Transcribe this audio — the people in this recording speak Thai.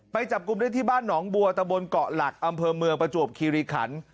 จับกลุ่มได้ที่บ้านหนองบัวตะบนเกาะหลักอำเภอเมืองประจวบคิริขัน